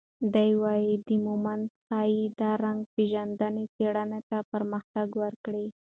دی وايي، دا موندنه ښايي د رنګ پېژندنې څېړنې ته پرمختګ ورکړي.